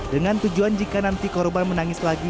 dengan tujuan jika nanti korban menangis lagi